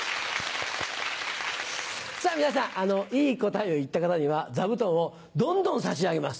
さぁ皆さんいい答えを言った方には座布団をどんどん差し上げます。